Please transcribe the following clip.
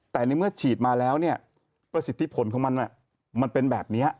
แต่ในเมื่อฉีดมาแล้วเนี่ยประสิทธิผลของมันมันเป็นแบบนี้